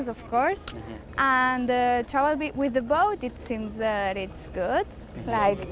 sepertinya ini adalah kapal yang berbagi dengan orang lain